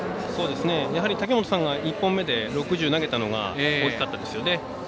やはり、武本さんが１本目で６０投げたのが大きかったですよね。